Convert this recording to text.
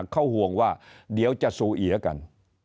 เขาห่วงว่าเดี๋ยวจะซูเอียกัน